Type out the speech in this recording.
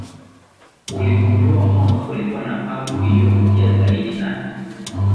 uligundua kwamba kilikuwa na pub iliyovutia zaidi na